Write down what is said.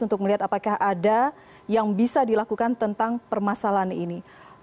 untuk melihat apakah ada yang bisa dilakukan tentang permasalahan ini